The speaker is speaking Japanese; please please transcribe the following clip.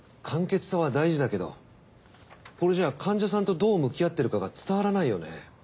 簡潔さは大事だけどこれじゃあ患者さんとどう向き合ってるかが伝わらないよね。